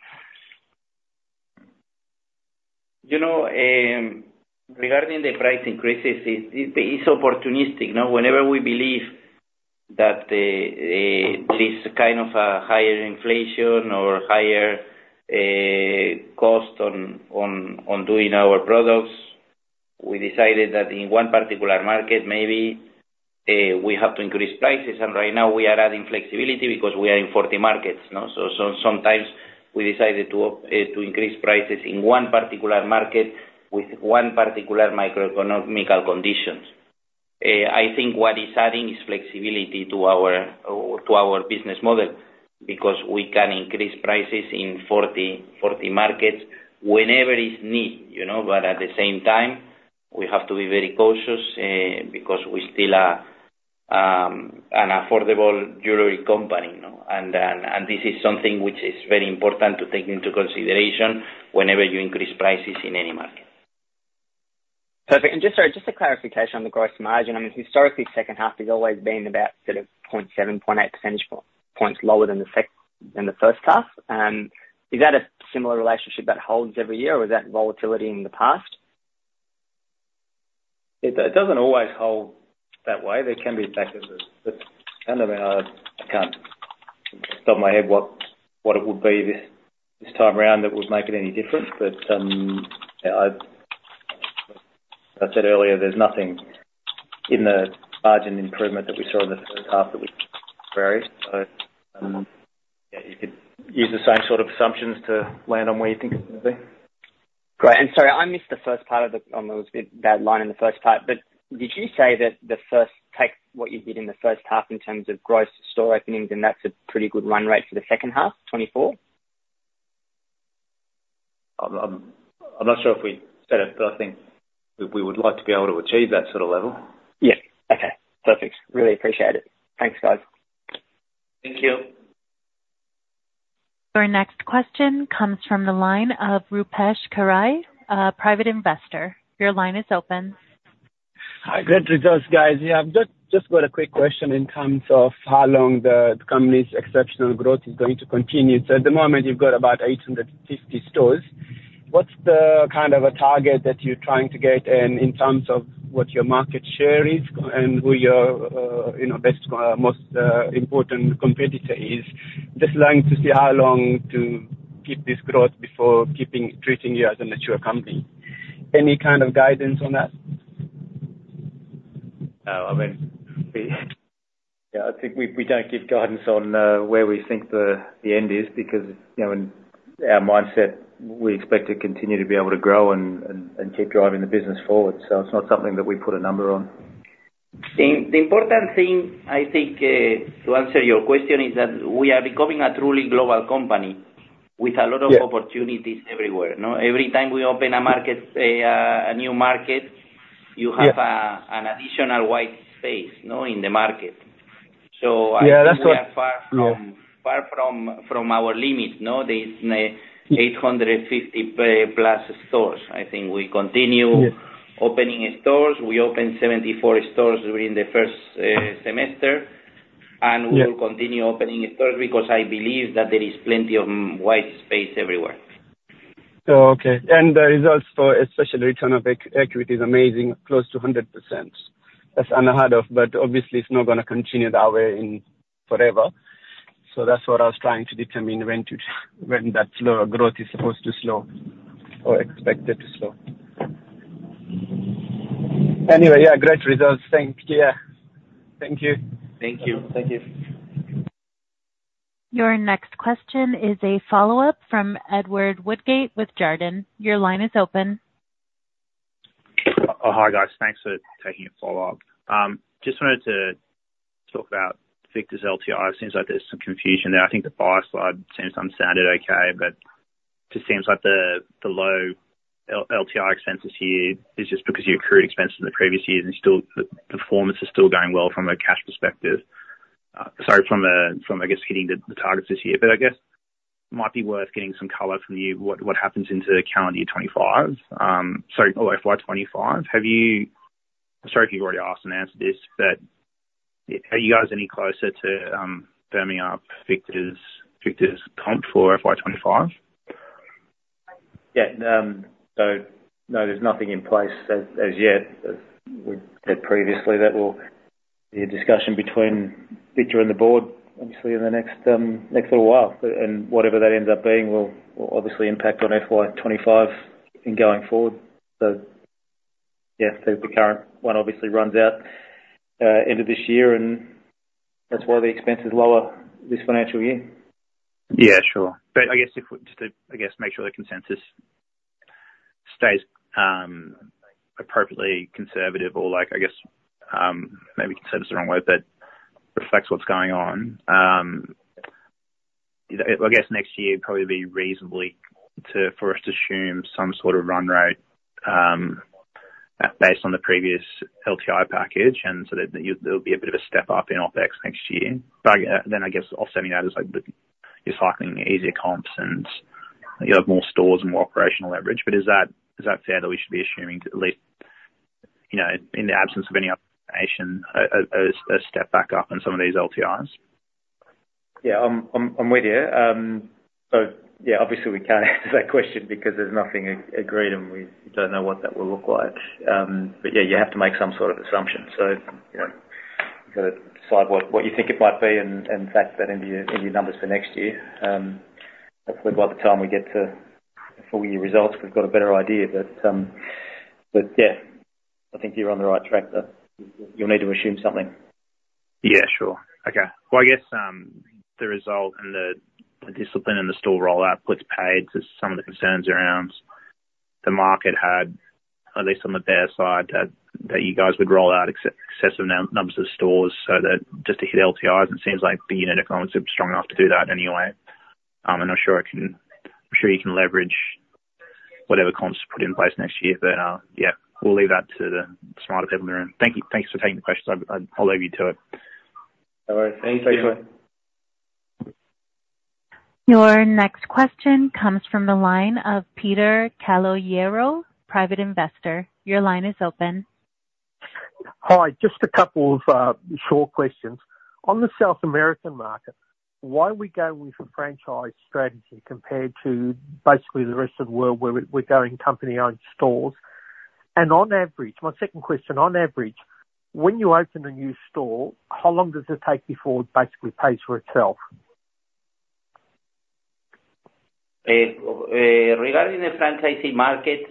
You know, regarding the price increases, it, it is opportunistic, you know? Whenever we believe that this kind of higher inflation or higher cost on doing our products, we decided that in one particular market, maybe we have to increase prices, and right now we are adding flexibility because we are in 40 markets, you know? So sometimes we decided to increase prices in one particular market with one particular microeconomic conditions. I think what is adding is flexibility to our business model, because we can increase prices in 40 markets whenever is need, you know? But at the same time, we have to be very cautious, because we still are an affordable jewelry company, you know? This is something which is very important to take into consideration whenever you increase prices in any market. Perfect. And just, sorry, just a clarification on the gross margin. I mean, historically, second half has always been about sort of 0.7, 0.8 percentage points lower than the first half. Is that a similar relationship that holds every year, or is that volatility in the past? It doesn't always hold that way. There can be factors that come to my mind. I can't, off the top of my head, what it would be this time around that would make it any different. But, yeah, I said earlier, there's nothing in the margin improvement that we saw in the third half that we varied. So, yeah, you could use the same sort of assumptions to land on where you think it's gonna be. Great. And sorry, I missed the first part of the... on those, the bad line in the first part. But did you say that the first take, what you did in the first half in terms of gross store openings, and that's a pretty good run rate for the second half, 24? I'm not sure if we said it, but I think we would like to be able to achieve that sort of level. Yeah. Okay, perfect. Really appreciate it. Thanks, guys. Thank you. Our next question comes from the line of Rupesh Kirai, private investor. Your line is open. Hi. Great results, guys. Yeah, I've just got a quick question in terms of how long the company's exceptional growth is going to continue. So at the moment, you've got about 850 stores. What's the kind of a target that you're trying to get, and in terms of what your market share is and who your, you know, best, most, important competitor is? Just wanting to see how long to keep this growth before treating you as a mature company. Any kind of guidance on that? I mean, yeah, I think we don't give guidance on where we think the end is, because, you know, in our mindset, we expect to continue to be able to grow and keep driving the business forward, so it's not something that we put a number on. The important thing, I think, to answer your question, is that we are becoming a truly global company- Yeah... with a lot of opportunities everywhere, you know? Every time we open a market, a new market- Yeah... you have, an additional white space, you know, in the market. So- Yeah, that's what- We are far from- Yeah... far from, from our limit, no? There is 850 plus stores. I think we continue- Yeah... opening stores. We opened 74 stores during the first semester. Yeah. We will continue opening stores because I believe that there is plenty of wide space everywhere. ... Oh, okay. And the results for, especially return on equity, is amazing, close to 100%. That's unheard of, but obviously it's not gonna continue that way in forever. So that's what I was trying to determine, when to when that slow growth is supposed to slow or expected to slow. Anyway, yeah, great results. Thanks. Yeah. Thank you. Thank you. Thank you. Your next question is a follow-up from Edward Woodgate with Jarden. Your line is open. Oh, hi, guys. Thanks for taking a follow-up. Just wanted to talk about Victor's LTI. It seems like there's some confusion there. I think the prior slide seems to have sounded okay, but just seems like the low LTI expense this year is just because you accrued expenses in the previous years, and still, performance is still going well from a cash perspective. Sorry, from a, from, I guess, hitting the targets this year. But I guess it might be worth getting some color from you, what happens into calendar year 2025? Sorry, FY 2025. Have you already asked and answered this, but are you guys any closer to firming up Victor's comp for FY 2025? Yeah. So no, there's nothing in place as yet. As we've said previously, that will be a discussion between Victor and the board, obviously, in the next little while. But whatever that ends up being will obviously impact on FY 25 in going forward. So yeah, the current one obviously runs out end of this year, and that's why the expense is lower this financial year. Yeah, sure. But I guess if we just to, I guess, make sure the consensus stays, appropriately conservative or like, I guess, maybe conservative is the wrong word, but reflects what's going on. I guess next year, it'd probably be reasonably to, for us to assume some sort of run rate, based on the previous LTI package, and so that you- there'll be a bit of a step up in OpEx next year. But, then I guess offsetting that is like the, you're cycling easier comps and you have more stores and more operational leverage. But is that, is that fair that we should be assuming, at least, you know, in the absence of any other information, a step back up on some of these LTIs? Yeah, I'm with you. So yeah, obviously we can't answer that question because there's nothing agreed, and we don't know what that will look like. But yeah, you have to make some sort of assumption. So, you know, you've got to decide what you think it might be and factor that into your numbers for next year. Hopefully by the time we get to full year results, we've got a better idea. But yeah, I think you're on the right track, but you'll need to assume something. Yeah, sure. Okay. Well, I guess, the result and the discipline in the store rollout was paid to some of the concerns around the market had, at least on the bear side, that you guys would roll out excessive numbers of stores so that just to hit LTIs. It seems like the unit economics are strong enough to do that anyway. I'm not sure I can... I'm sure you can leverage whatever comps are put in place next year, but, yeah, we'll leave that to the smarter people in the room. Thank you. Thanks for taking the questions. I'll leave you to it. All right. Thanks. Your next question comes from the line of Peter Calogero, private investor. Your line is open. Hi, just a couple of short questions. On the South American market, why we go with a franchise strategy compared to basically the rest of the world where we're going company-owned stores? And on average, my second question, on average, when you open a new store, how long does it take before it basically pays for itself? Regarding the franchising markets,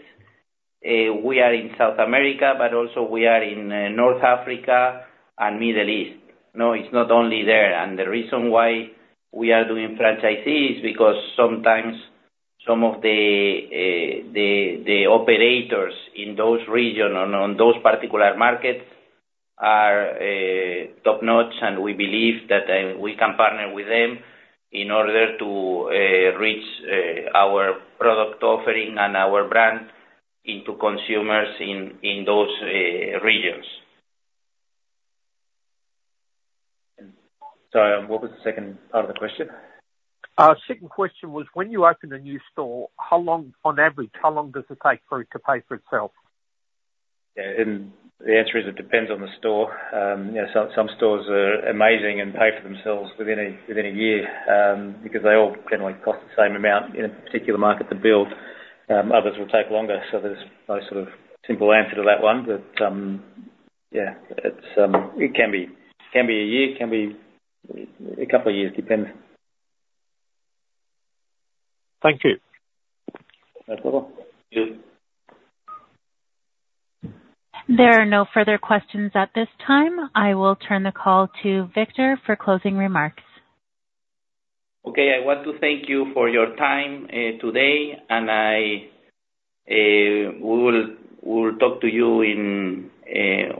we are in South America, but also we are in North Africa and Middle East. No, it's not only there. And the reason why we are doing franchisees, because sometimes some of the, the operators in those region and on those particular markets are top-notch, and we believe that we can partner with them in order to reach our product offering and our brand into consumers in those regions. What was the second part of the question? Second question was, when you open a new store, how long, on average, how long does it take for it to pay for itself? Yeah, and the answer is, it depends on the store. You know, some stores are amazing and pay for themselves within a year, because they all generally cost the same amount in a particular market to build. Others will take longer, so there's no sort of simple answer to that one. But, yeah, it's it can be... It can be a year, it can be a couple of years. Depends. Thank you. No problem. Yeah. There are no further questions at this time. I will turn the call to Victor for closing remarks. Okay. I want to thank you for your time today, and we will talk to you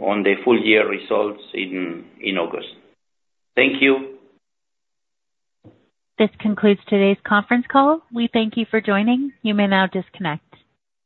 on the full year results in August. Thank you. This concludes today's conference call. We thank you for joining. You may now disconnect.